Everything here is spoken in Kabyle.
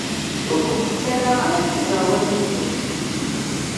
Ur kent-ttaraɣ ara d tiẓawaliyin.